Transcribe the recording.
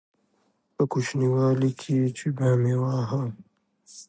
په کوچنيوالي کښې چې به مې واهه.